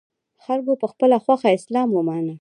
خلکو په خپله خوښه اسلام ومانه